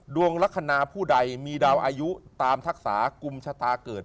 ดวงลักษณะผู้ใดมีดาวอายุตามทักษากุมชะตาเกิด